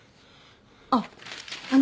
あっあの